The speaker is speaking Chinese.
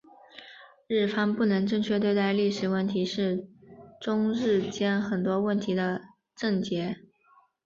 日方不能正确对待历史问题是中日间很多问题的症结。